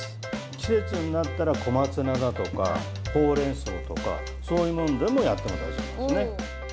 季節になったら小松菜とかほうれんそうだとか、そういうものでもやってもいい。